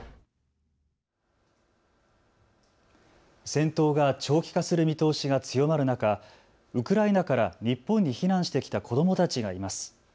戦闘が長期化する見通しが強まる中、ウクライナから日本に避難してきた子どもたちがいます。